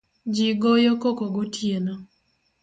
Jii goyo koko gotieno